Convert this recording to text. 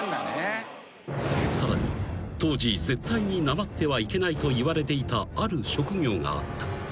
［さらに当時絶対になまってはいけないといわれていたある職業があった。